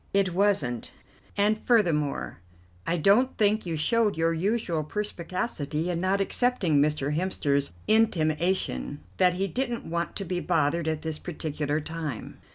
"It wasn't, and furthermore, I don't think you showed your usual perspicacity in not accepting Mr. Hemster's intimation that he didn't want to be bothered at this particular time."